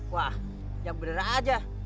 wah yang benar aja